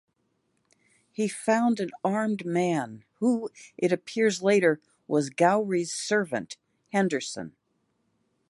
He found an armed man, who, it appears later, was Gowrie's servant, Henderson.